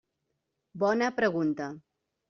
Bona pregunta.